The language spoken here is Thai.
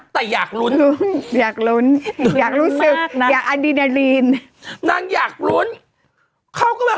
แต่อยากลุ้นลุ้นอยากลุ้นอยากรู้สึกอยากอดีนาลีนนางอยากลุ้นเขาก็เลย